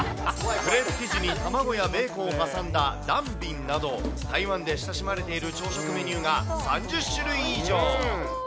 クレープ生地に卵やベーコンを挟んだダンビンなど、台湾で親しまれている朝食メニューが３０種類以上。